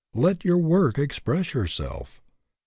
Let your work ex press yourself.